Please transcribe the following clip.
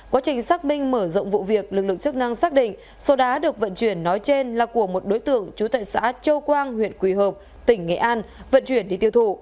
quá trình xác minh mở rộng vụ việc lực lượng chức năng xác định số đá được vận chuyển nói trên là của một đối tượng trú tại xã châu quang huyện quỳ hợp tỉnh nghệ an vận chuyển đi tiêu thụ